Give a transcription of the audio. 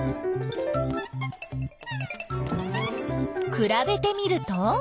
くらべてみると？